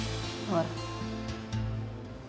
aku gak bisa punya anak dan kita